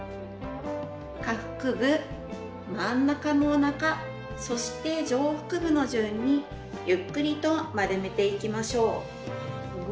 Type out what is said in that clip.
下腹部、真ん中のおなかそして上腹部の順にゆっくりと丸めていきましょう。